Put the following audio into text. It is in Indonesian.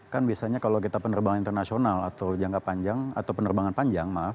kan biasanya kalau kita penerbangan internasional atau jangka panjang atau penerbangan panjang maaf